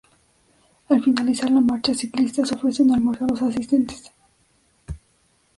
Al finalizar la marcha ciclista se ofrece un almuerzo a los asistentes.